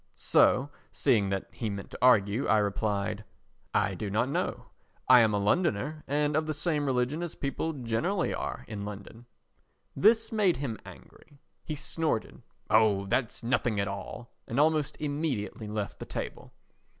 So, seeing that he meant to argue, I replied: "I do not know. I am a Londoner and of the same religion as people generally are in London." This made him angry. He snorted: "Oh, that's nothing at all;" and almost immediately left the table.